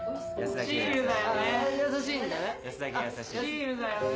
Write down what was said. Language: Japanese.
シールだよね？